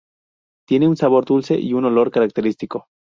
Tiene un sabor dulce y un olor característico.